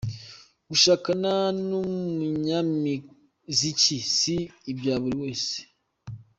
Gushakana n’umunyamiziki, si ubya buri buri wese.